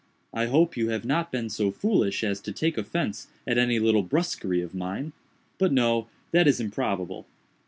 I hope you have not been so foolish as to take offence at any little brusquerie of mine; but no, that is improbable.